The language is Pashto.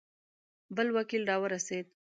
بل وکیل را ورسېد.